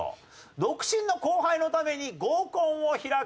独身の後輩のために合コンを開く。